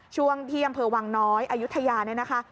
ช่วงที่อำเภอวังน้อยอายุทยาเนี่ยนะคะ